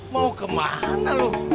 mau kemana lu